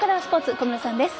小室さんです。